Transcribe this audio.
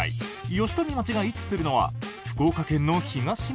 吉富町が位置するのは福岡県の東の端。